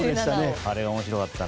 あれは面白かった。